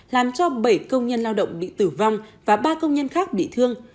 làm cho bảy công nhân lao động bị tử vong và ba công nhân khác bị thương